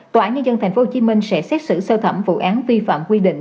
tòa án nhân dân tp hcm sẽ xét xử sơ thẩm vụ án vi phạm quy định